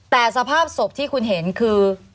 แต่สภาพศพที่คุณเห็นคือ